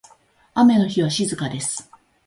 雨の日は静かです。